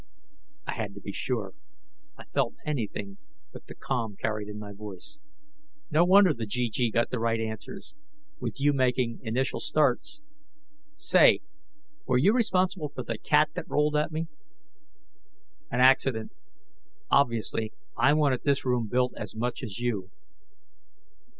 "I had to be sure." I felt anything but the calm carried in my voice. "No wonder the GG got the right answers, with you making initial starts. Say, were you responsible for the cat that rolled at me?" "An accident. Obviously, I wanted this room built as much as you."